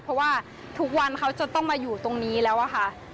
เพราะว่าทุกวันเขาจะต้องมาอยู่ตรงนี้แล้วอะค่ะ